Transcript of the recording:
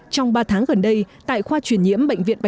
trong ba tháng gần đây tại khoa chuyển nhiễm bệnh viện bạch mai